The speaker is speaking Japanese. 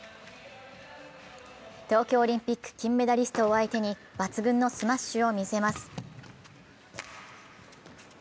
東京オリンピック金メダリストを相手に抜群のスマッシュを見せます。